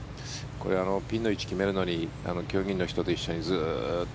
これピンの位置を決めるのに競技員の人と一緒にずっと。